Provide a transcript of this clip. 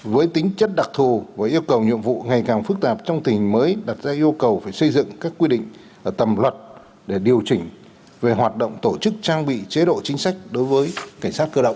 với tính chất đặc thù và yêu cầu nhiệm vụ ngày càng phức tạp trong tình mới đặt ra yêu cầu phải xây dựng các quy định tầm luật để điều chỉnh về hoạt động tổ chức trang bị chế độ chính sách đối với cảnh sát cơ động